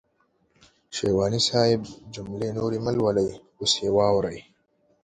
شېواني صاحب جملې نورې مهلولئ اوس يې واورئ.